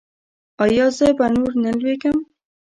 ایا زه به نور نه لویږم؟